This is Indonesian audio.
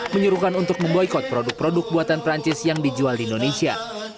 menyuruhkan untuk memboykot produk produk buatan perancis yang dijual di indonesia